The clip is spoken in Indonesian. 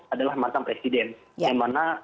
adalah mantan presiden yang mana